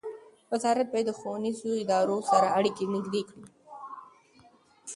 وزارت باید د ښوونیزو ادارو سره اړیکې نږدې کړي.